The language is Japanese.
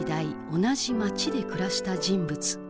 同じ街で暮らした人物。